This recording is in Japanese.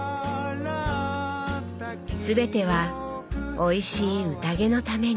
全てはおいしいうたげのために。